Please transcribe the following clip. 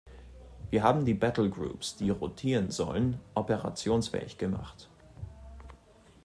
Wir haben die Battle Groups, die rotieren sollen, operationsfähig gemacht.